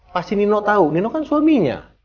pasti nino tahu nino kan suaminya